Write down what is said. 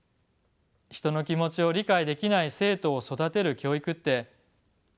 人の気持ちを理解できない生徒を育てる教育って正しいのか？